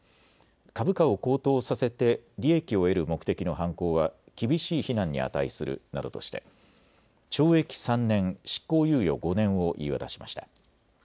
株価を高騰させて利益を得る目的の犯行は厳しい非難に値するなどとして懲役３年、執行猶予５年を言い渡しました。